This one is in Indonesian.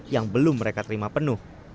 yang belum mereka terima penuh